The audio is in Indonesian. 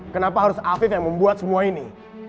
kenapa harus afif yang membuat semua ini